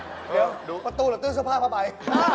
เดี๋ยวดูประตูละตื่นซื้อผ้าพระบัย